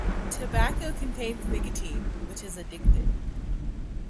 Tobacco contains nicotine, which is addictive.